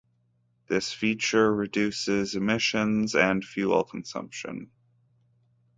This feature reduces emissions and fuel consumption.